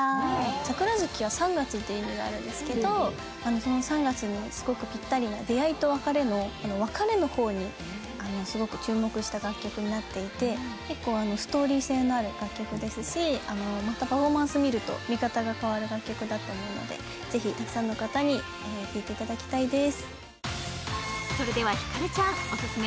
「桜月」は３月という意味があるんですけど３月にぴったりの出会いと別れの別れの方に注目した楽曲になっていて結構ストーリー性のある楽曲ですし、またパフォーマンスを見ると見方が変わる曲だと思うのでぜひたくさんの方に聴いていただきたいです。